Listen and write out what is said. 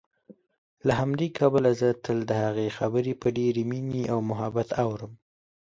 له همدې کبله زه تل دهغې خبرې په ډېرې مينې او محبت اورم